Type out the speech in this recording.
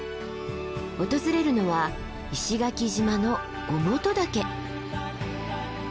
訪れるのは石垣島の於茂登岳。